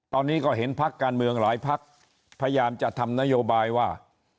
ตอนนี้ก็เห็นพักการเมืองหลายพักพยายามจะทำนโยบายว่า